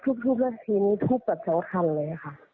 ทุกแล้วทีนี้ทุกแบบสำคัญเลยค่ะ